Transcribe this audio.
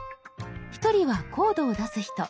一人はコードを出す人。